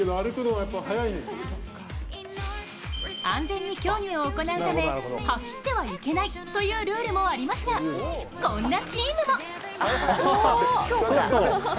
安全に競技を行うため、走ってはいけないというルールもありますが、こんなチームも。